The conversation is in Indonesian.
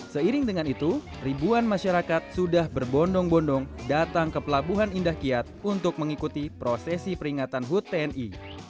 seiring dengan itu ribuan masyarakat sudah berbondong bondong datang ke pelabuhan indah kiat untuk mengikuti prosesi peringatan hut tni